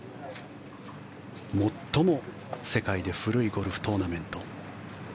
最も、世界で古いゴルフトーナメント。